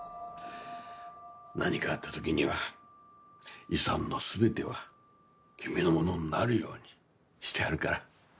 何かあった時には遺産の全ては君のものになるようにしてあるから。